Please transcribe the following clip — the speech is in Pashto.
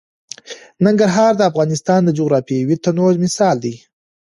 ننګرهار د افغانستان د جغرافیوي تنوع مثال دی.